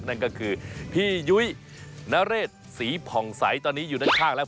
นั่นก็คือพี่ยุ้ยนเรศศรีผ่องใสตอนนี้อยู่ด้านข้างแล้ว